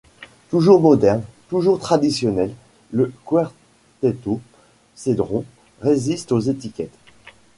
Toujours moderne, toujours traditionnel, le Cuarteto Cedrón résiste aux étiquettes.